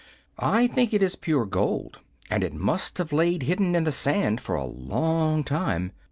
"I think it is pure gold, and it must have lain hidden in the sand for a long time.